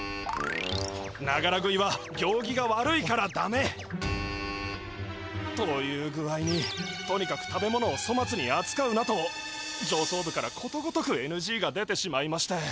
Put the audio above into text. ながら食いはぎょうぎが悪いからだめ！という具合にとにかく食べ物をそまつにあつかうなとじょうそうぶからことごとくＮＧが出てしまいまして。